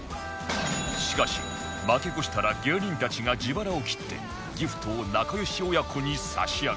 しかし負け越したら芸人たちが自腹を切ってギフトを仲良し親子に差し上げる